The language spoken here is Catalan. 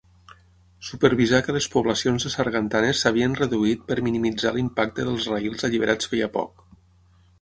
Supervisar que les poblacions de sargantanes s'havien reduït per minimitzar l'impacte dels rails alliberats feia poc.